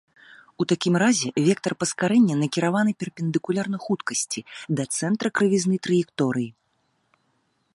У такім разе вектар паскарэння накіраваны перпендыкулярна хуткасці, да цэнтра крывізны траекторыі.